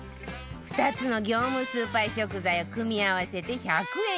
２つの業務スーパー食材を組み合わせて１００円以下